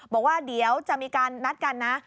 บอกว่าเดี๋ยวจะมีการนัดกันนะ